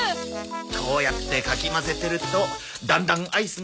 こうやってかき混ぜてるとだんだんアイスが冷えて。